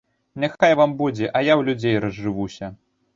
Няхай вам будзе, а я ў людзей разжывуся.